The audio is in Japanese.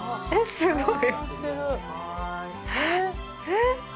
すごい！